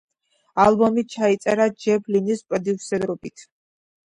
ალბომი ჩაიწერა ჯეფ ლინის პროდიუსერობით.